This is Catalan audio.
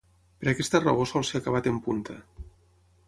Per aquesta raó sol ser acabat en punta.